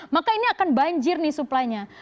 maka ini akan banjir nih suplainya